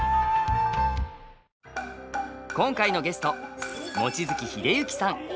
今回のゲスト望月秀幸さん。